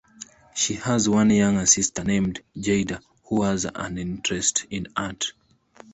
She has one younger sister named Jayda who has an interest in art.